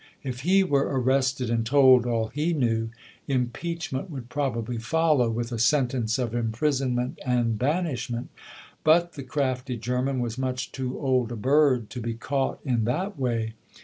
If he were arrested and told all he knew, impeachment would probably follow, with a sentence of imprisonment and banishment. But the crafty German was much too old a bird to be caught in that way.